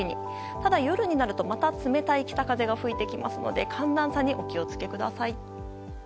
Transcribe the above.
ただ、夜になるとまた冷たい北風が吹きますので寒暖差にお気を付けください。